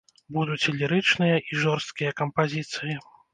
Будуць і лірычныя, і жорсткія кампазіцыі.